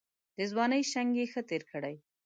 د ځوانۍ شنګ یې ښه تېر کړی.